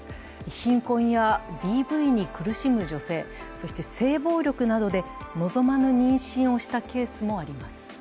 貧困やＤＶに苦しむ女性、そして性暴力などで望まぬ妊娠をしたケースもあります。